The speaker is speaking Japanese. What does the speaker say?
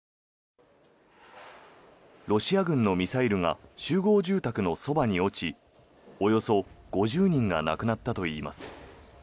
ロシア軍のミサイルが集合住宅のそばに落ちおよそ５０人が亡くなったといいます。